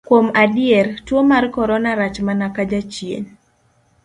Kuom adier, tuo mar korona rach mana ka jachien.